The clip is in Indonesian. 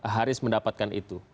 haris mendapatkan itu